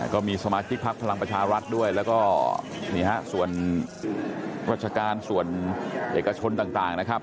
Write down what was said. ก็มีสมาชิกพักพลังประชารัฐด้วยแล้วก็นี่ฮะส่วนราชการส่วนเอกชนต่างนะครับ